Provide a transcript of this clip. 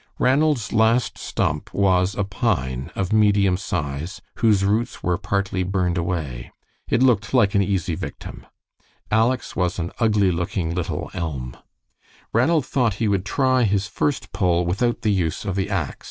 Ranald's last stump was a pine of medium size, whose roots were partly burned away. It looked like an easy victim. Aleck's was an ugly looking little elm. Ranald thought he would try his first pull without the use of the ax.